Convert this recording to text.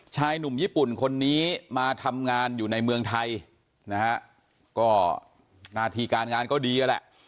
ชายหนุ่มญี่ปุ่นคนนี้มาทำงานอยู่ในเมืองไทยนะฮะก็หน้าที่การงานก็ดีนั่นแหละ